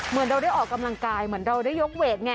เหมือนเราได้ออกกำลังกายเหมือนเราได้ยกเวทไง